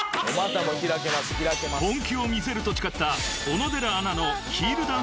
［本気を見せると誓った小野寺アナの］